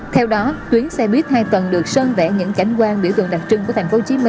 theo đó tuyến xe buýt hai tầng được sơn vẽ những cảnh quan biểu tượng đặc trưng của tp hcm